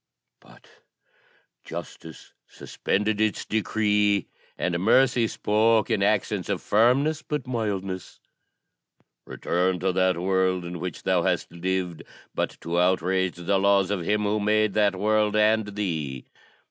But Justice suspended its decree, and Mercy spoke in accents of firmness, but mildness, 'Return to that world in which thou hast lived but to outrage the laws of Him who made that world and thee.